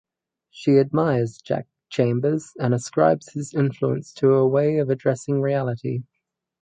She admires Jack Chambers and ascribes his influence to her way of addressing reality.